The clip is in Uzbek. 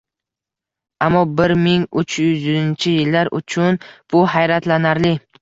Ammo bir ming uch yuzinchi yillar uchun bu hayratlanarli.